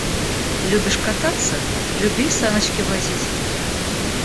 Любишь кататься, люби и саночки возить!